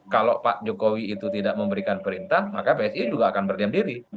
kalau pak jokowi itu tidak memberikan perintah maka psi juga akan berdiam diri